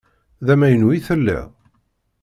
D amaynu i telliḍ?